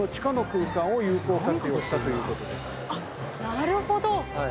なるほど。